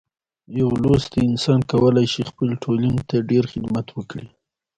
یو لوستی انسان کولی شي خپلې ټولنې ته ډیر خدمت وکړي.